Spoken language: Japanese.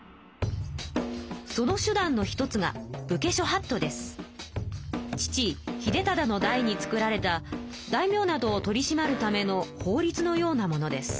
その手段の一つが父秀忠の代に作られた大名などを取りしまるための法りつのようなものです。